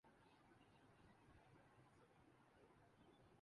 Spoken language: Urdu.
ونسٹن چرچل کھڑے تھے۔